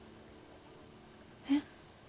えっ？